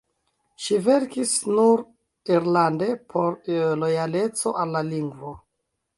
Ŝi verkis nur irlande por lojaleco al la lingvo.